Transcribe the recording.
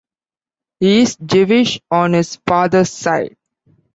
He is Jewish on his father's side.